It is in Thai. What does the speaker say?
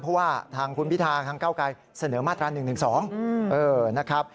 เพราะว่าทางคุณพิธาทางเก้าไกรเสนอมาตรา๑๑๒นะครับ